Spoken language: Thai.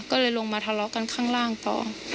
ก็เลยลงมาทะเลาะกันข้างล่างต่อ